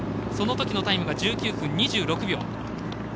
そのときのタイムが１９分２６秒。